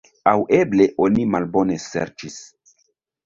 Aŭ eble oni malbone serĉis.